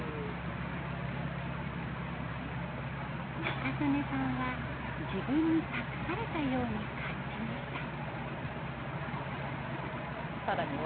中曽根さんは自分に託されたように感じました。